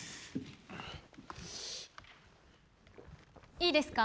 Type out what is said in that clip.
いいですか？